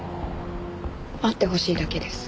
会ってほしいだけです。